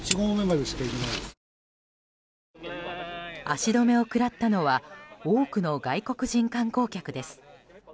足止めを食らったのは多くの外国人観光客です。